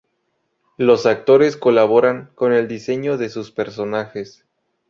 Los actores colaboraron con el diseño de sus personajes.